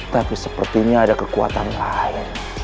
tapi sepertinya ada kekuatan lain